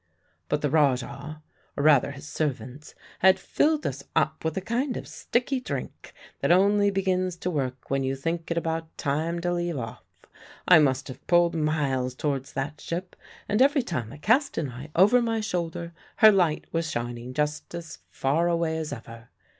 "But the Rajah, or rather his servants, had filled us up with a kind of sticky drink that only begins to work when you think it about time to leave off. I must have pulled miles towards that ship, and every time I cast an eye over my shoulder her light was shining just as far away as ever.